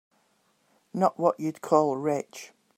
Not what you'd call rich.